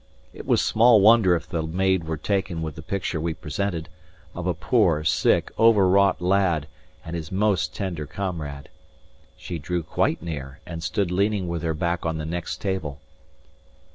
It was small wonder if the maid were taken with the picture we presented, of a poor, sick, overwrought lad and his most tender comrade. She drew quite near, and stood leaning with her back on the next table.